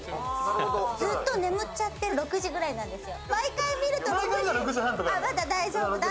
ずっと眠っちゃって６時ぐらいなんですよ。